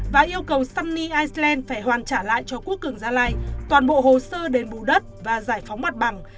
và yêu cầu sunny iceland phải hoàn trả lại cho quốc cường gia lai toàn bộ hồ sơ đền bù đất và giải phóng mặt bằng